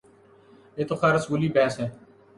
یہ تو خیر اصولی بحث ہے۔